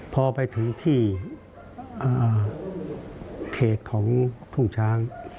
พอไปถึงที่เขตของทุ่งช้าง